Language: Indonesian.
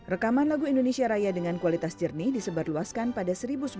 rekaman lagu indonesia raya dengan kualitas jernih disebarluaskan pada seribu sembilan ratus sembilan puluh